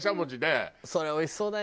それおいしそうだよね。